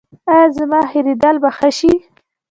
ایا زما هیریدل به ښه شي؟